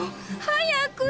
早く！